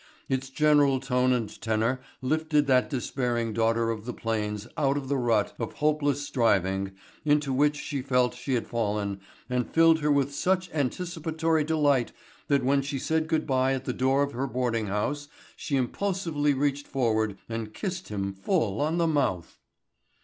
Its general tone and tenor lifted that despairing daughter of the plains out of the rut of hopeless striving into which she felt she had fallen and filled her with such anticipatory delight that when she said good bye at the door of her boarding house she impulsively reached forward and kissed him full on the mouth.